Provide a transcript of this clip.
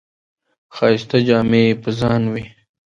ښایسته جامې یې په ځان وې.